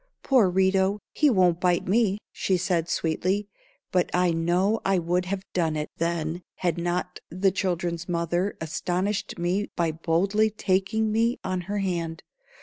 "Poor Rito, he won't bite me," she said, sweetly; but I know I would have done it then, had not the children's mother astonished me by boldly taking me on her hand.